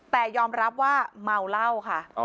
แต่ยอมรับว่าเมาเหล้าค่ะ